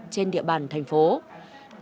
trên địa bàn tp hcm